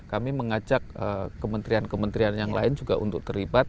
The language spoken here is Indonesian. kami mengajak kementerian kementerian yang lain juga untuk terlibat